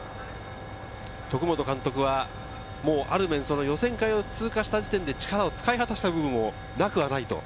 徳本監督は予選会を通過した時点で力を使い果たした部分もなくはない。